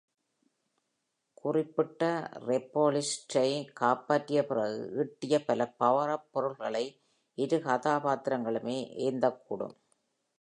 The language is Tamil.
குறிப்பிட்ட Reploidsஐ காப்பாற்றிய பிறகு ஈட்டிய பல power-up பொருள்களை இரு கதாபாத்திரங்களுமே ஏந்தக் கூடும்.